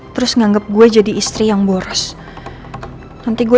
gue gak mau nino kecewa